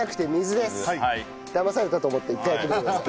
だまされたと思って一回やってみてください。